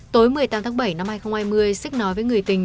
tối một mươi tám tháng bảy năm hai nghìn hai mươi xích nói với người tình